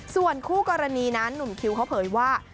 ส่วนคู่กรณีนั้นหนุ่มคิวเขาเผยว่า